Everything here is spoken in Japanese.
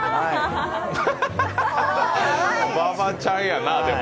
馬場ちゃんやな、でも。